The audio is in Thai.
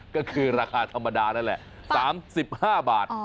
ก็คือราคาธรรมดานั่นแหละ๓๕บาท